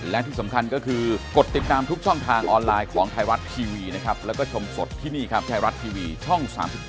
เจ้าแป้งยังไม่คิดจะออกมามอบตัวก่อน